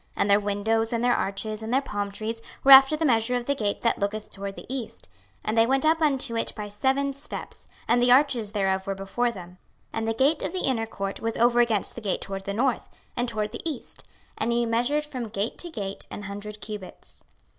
26:040:022 And their windows, and their arches, and their palm trees, were after the measure of the gate that looketh toward the east; and they went up unto it by seven steps; and the arches thereof were before them. 26:040:023 And the gate of the inner court was over against the gate toward the north, and toward the east; and he measured from gate to gate an hundred cubits.